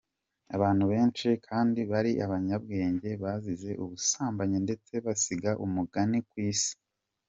Abantu benshi kandi bari abanyabwenge bazize ubusambanyi ndetse basiga umugani ku Isi.